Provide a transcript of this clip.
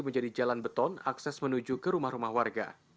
menjadi jalan beton akses menuju ke rumah rumah warga